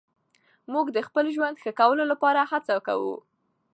موږ د خپل ژوند ښه کولو لپاره هڅه کوو.